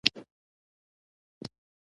پخوا ملي سرحدات د استعمار نښه وو.